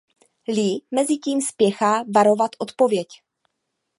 Lee mezitím spěchá varovat Odpověď.